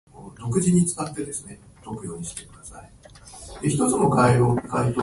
英語が得意です